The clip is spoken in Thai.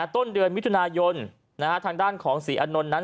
ต้นเดือนมิถุนายนทางด้านของศรีอานนท์นั้น